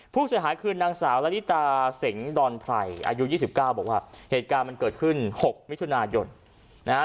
ผู้เสียหายคือนางสาวละลิตาเสงดอนไพรอายุ๒๙บอกว่าเหตุการณ์มันเกิดขึ้น๖มิถุนายนนะฮะ